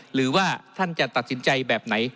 หรือว่าท่านจะตัดสินใจแบบไหน